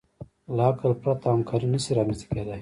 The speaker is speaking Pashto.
له عقل پرته همکاري نهشي رامنځ ته کېدی.